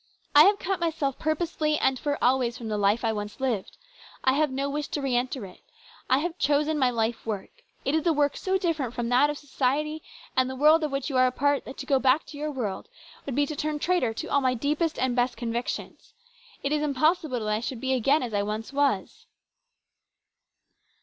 " I have cut myself purposely and for always from the life I once lived. I have no wish to re enter it. I have chosen my life work. It is a work so different from that of society and the world of which you are a part that to go back to your world would be to turn traitor to all my deepest and best convic tions. It is impossible that I should be again as I once was."